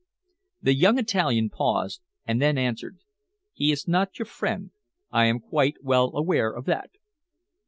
The young Italian paused, and then answered: "He is not your friend. I am quite well aware of that."